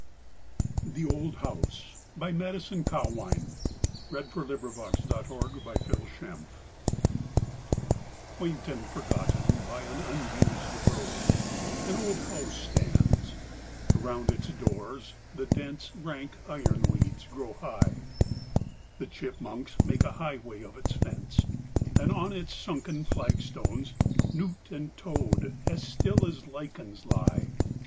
near, I met her ghost upon the bridge we parted at last year. THE OLD HOUSE Quaint and forgotten, by an unused road, An old house stands: around its doors the dense Rank ironweeds grow high; The chipmunks make a highway of its fence; And on its sunken flagstones newt and toad As still as lichens lie.